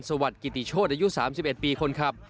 สวัสดีกิติโชธอายุ๓๑ปีคนขับ